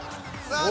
さあ